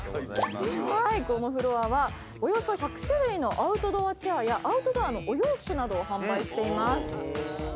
このフロアはおよそ１００種類のアウトドアチェアやアウトドアのお洋服などを販売しています。